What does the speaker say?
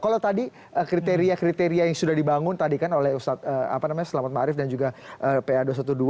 kalau tadi kriteria kriteria yang sudah dibangun tadi kan oleh ustadz selamat ⁇ maarif ⁇ dan juga pa dua ratus dua belas